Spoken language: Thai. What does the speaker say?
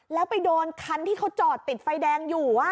แล้วไปโดนคันที่เขาจอดติดไฟแดงอยู่